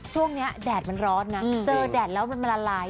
ช่วงนี้แดดมันร้อนนะเจอแดดแล้วมันละลาย